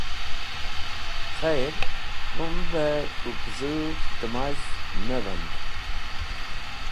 Khayr tum beh k̃hũ pũzũv tẽ maz̃h me vand.